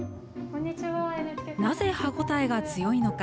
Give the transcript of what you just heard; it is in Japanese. なぜ歯応えが強いのか。